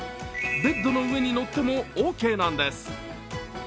ベッドの上に乗ってもオーケーなんです。